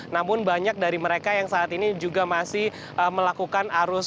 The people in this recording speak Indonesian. namun banyak dari mereka yang saat ini juga masih melakukan arus balik